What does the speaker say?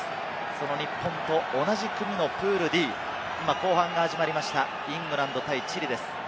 その日本と同じ組のプールＤ、今、後半が始まりました、イングランド対チリです。